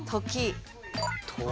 「時」？